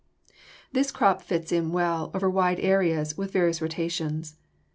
HARVESTING OATS] This crop fits in well, over wide areas, with various rotations.